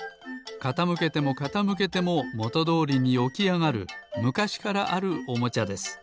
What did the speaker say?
かたむけてもかたむけてももとどおりにおきあがるむかしからあるおもちゃです。